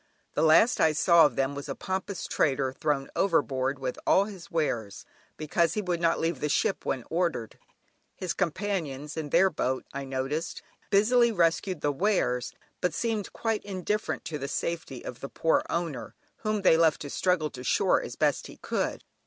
The last I saw of them was a pompous trader thrown overboard with all his wares, because he would not leave the ship when ordered. His companions in their boat, I noticed, busily rescued the wares, but seemed quite indifferent to the safety of the poor owner, whom they left to struggle to shore as best he could.